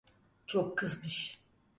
Çok kızmış.